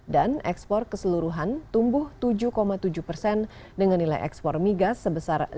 dan ekspor keseluruhan tumbuh tujuh tujuh persen dengan nilai ekspor migas sebesar lima lima persen